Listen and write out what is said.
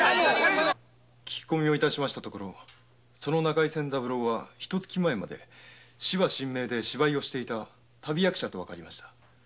聞き込みをしたところ中井仙三郎は一か月前まで芝神明で芝居をしていた旅役者とわかりました。